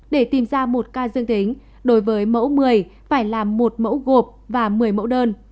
để tìm ra một ca dương tính đối với mẫu một mươi phải làm một mẫu gộp và một mươi mẫu đơn